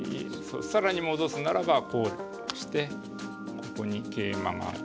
更に戻すならばこうしてここに桂馬が。